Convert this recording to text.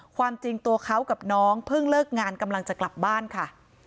ความจริงตัวเขากับน้องเพิ่งเลิกงานกำลังจะกลับบ้านค่ะ